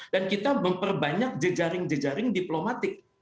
dan kita memperbanyak jejaring jejaring diplomatik